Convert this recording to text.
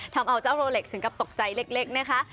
ทำเอาเจ้าโรเล็กถึงกับตกใจเล็กนะคะ